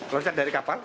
loncat dari kapal